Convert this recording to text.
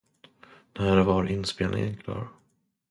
När var inspelningen klar?